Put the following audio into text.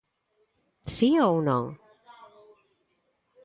Si ou non?